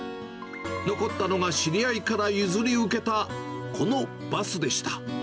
残ったのが知り合いから譲り受けたこのバスでした。